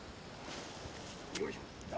よいしょ。